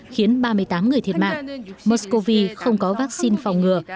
khiến ba mươi tám người thiệt mạng mers cov không có vaccine phòng ngừa